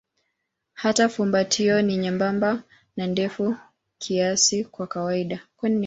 Hata fumbatio ni nyembamba na ndefu kiasi kwa kawaida.